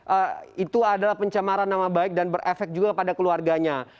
ee itu adalah pencemaran nama baik dan berefek juga pada keluarganya